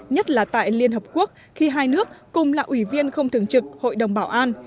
nhất là tại liên hợp quốc khi hai nước cùng là ủy viên không thường trực hội đồng bảo an